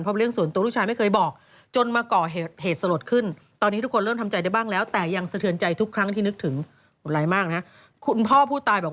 เพราะเรื่องส่วนตัวลูกชายไม่เคยบอก